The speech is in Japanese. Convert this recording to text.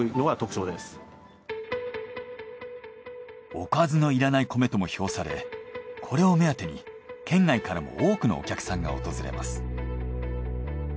おかずのいらない米とも評されこれを目当てに県外からも多くのお客さんが訪れます。